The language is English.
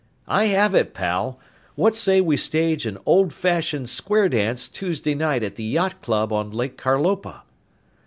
"I have it, pal! What say we stage an old fashioned square dance Tuesday night at the yacht club on Lake Carlopa?"